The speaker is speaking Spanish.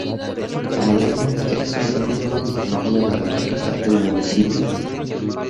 Camaleño es asimismo el nombre de la capital del municipio.